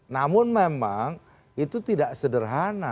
namun memang itu tidak sederhana